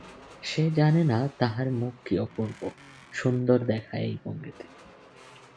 সে জানে না তাহার মুখ কি অপূর্ব সুন্দর দেখায় এই ভঙ্গিতে।